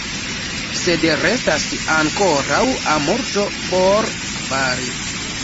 Sed restas ankoraŭ multo por fari.